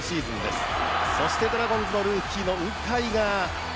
そしてドラゴンズのルーキー・鵜飼が。